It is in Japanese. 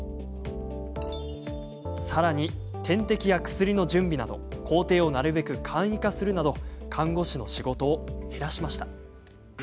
さらに点滴や薬の準備など工程をなるべく簡易化するなど看護師の仕事を減らしました。